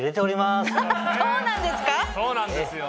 そうなんですか？